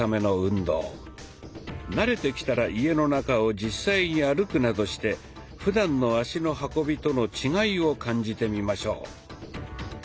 慣れてきたら家の中を実際に歩くなどしてふだんの足の運びとの違いを感じてみましょう。